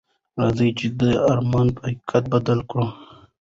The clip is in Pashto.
راځئ چې دا ارمان په حقیقت بدل کړو.